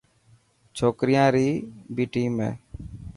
ڇوڪريان ري بي ٽيم هي.